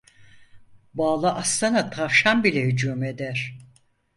Bağlı aslana tavşan bile hücum eder.